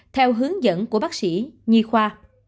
theo hướng dẫn của bác sĩ nhi khoa